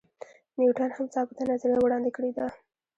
نیوټن هم ثابته نظریه وړاندې کړې ده.